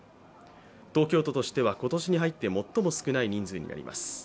東京都としては今年に入って最も少ない人数になります。